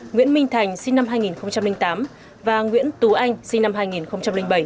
nguyễn minh thành sinh năm hai nghìn tám và nguyễn tú anh sinh năm hai nghìn bảy